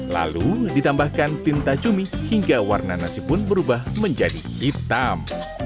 lalu ditambahkan tinta cumi hingga warna nasi pun berubah menjadi hitam